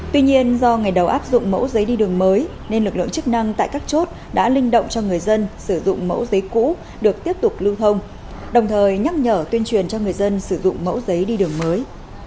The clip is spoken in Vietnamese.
tuy nhiên do ngày đầu áp dụng mẫu giấy đi đường mới nên lực lượng chức năng tại các chốt đã linh động cho người dân sử dụng mẫu giấy cũ được tiếp tục lưu thông đồng thời nhắc nhở tuyên truyền cho người dân sử dụng mẫu giấy đi đường mới